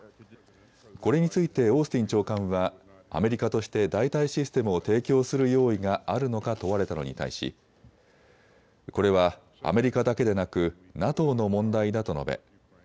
これについてオースティン長官はアメリカとして代替システムを提供する用意があるのか問われたのに対しこれはアメリカだけでなくＮＡＴＯの問題だと述べ